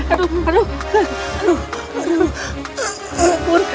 aduh aduh aduh ampun